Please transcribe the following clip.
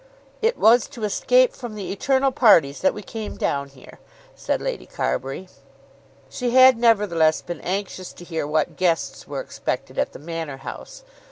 "It was to escape from the eternal parties that we came down here," said Lady Carbury. She had nevertheless been anxious to hear what guests were expected at the Manor House.